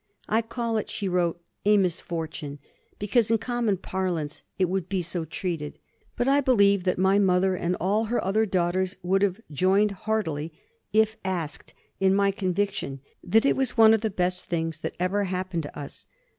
"I call it," she wrote, "a misfortune, because in common parlance it would be so treated; but I believe that my mother and all her other daughters would have joined heartily, if asked, in my conviction that it was one of the best things that ever happened to us....